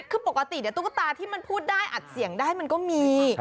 คือปกติเดี๋ยวตุ๊กตาที่มันพูดได้อัดเสียงได้มันก็มี